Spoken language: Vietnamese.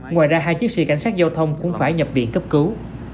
ngoài ra hai chiếc xe cảnh sát giao thông cũng phải nhập viện cấp cứu